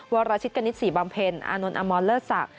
หัวละชิดกณิตศรีบำเพลอานนท์อมมอลเลอร์ศักดิ์